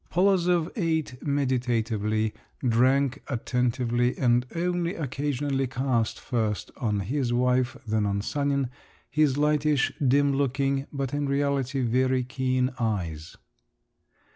Polozov ate meditatively, drank attentively, and only occasionally cast first on his wife, then on Sanin, his lightish, dim looking, but, in reality, very keen eyes.